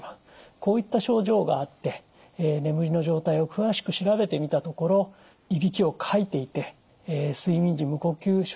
こういった症状があって眠りの状態を詳しく調べてみたところいびきをかいていて睡眠時無呼吸症候群というふうに呼ばれることが多いです